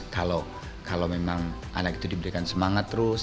kalau memang anak itu diberikan semangat terus